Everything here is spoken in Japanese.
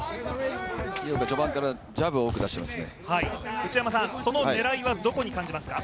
井岡、序盤からジャブを多く出していますね。